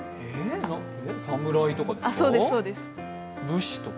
侍とかですか？